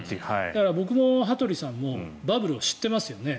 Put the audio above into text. だから僕も羽鳥さんもバブルを知ってしますよね。